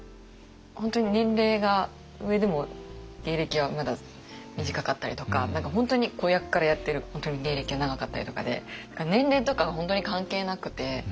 本当に年齢が上でも芸歴はまだ短かったりとか本当に子役からやってる芸歴が長かったりとかで年齢とか本当に関係なくて。